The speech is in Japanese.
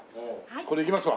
これいきますわ。